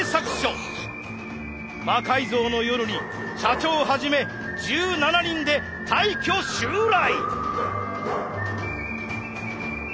「魔改造の夜」に社長はじめ１７人で大挙襲来！